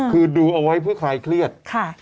คือดูเอาไว้เพื่อคลายเครียด